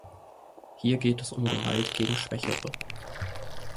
Hier geht es um Gewalt gegen Schwächere.